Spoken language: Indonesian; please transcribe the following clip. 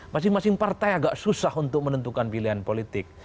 masing masing partai agak susah untuk menentukan pilihan politik